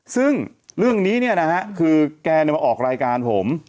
สิ่งเนี้ยนะคะคือใจหลักรายการของผม